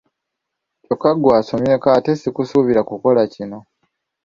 Kyokka ggwe asomyeko ate si kusuubira kukola kino.